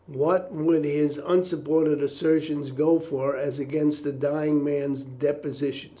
What would his unsupported assertion go for as against the dying man's deposition?